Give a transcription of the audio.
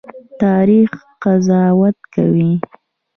تاریخ قضاوت کوي